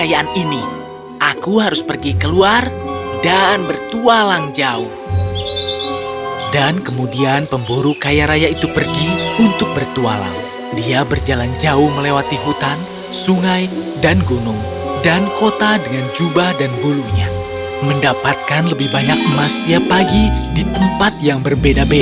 jangan lupa untuk berikan dukungan di kolom komentar